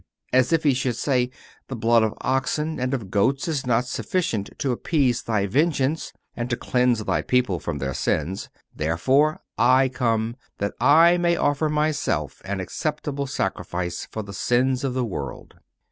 (394) As if He should say: The blood of oxen and of goats is not sufficient to appease Thy vengeance, and to cleanse Thy people from their sins; therefore I come, that I may offer Myself an acceptable sacrifice for the sins of the world.